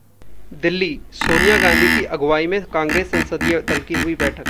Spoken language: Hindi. दिल्ली: सोनिया गांधी की अगुवाई में कांग्रेस संसदीय दल की हुई बैठक